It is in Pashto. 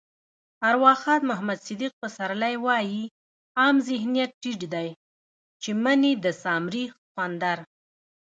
ارواښاد محمد صدیق پسرلی وایي: عام ذهنيت ټيټ دی چې مني د سامري سخوندر.